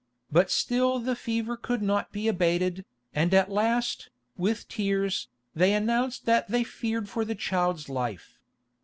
But still the fever could not be abated, and at last, with tears, they announced that they feared for the child's life.